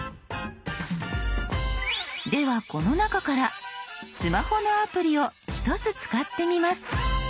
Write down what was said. ではこの中からスマホのアプリを１つ使ってみます。